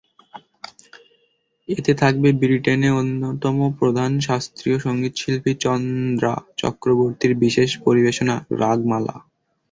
এতে থাকবে ব্রিটেনে অন্যতম প্রধান শাস্ত্রীয় সংগীতশিল্পী চন্দ্রা চক্রবর্তীর বিশেষ পরিবেশনা রাগমালা।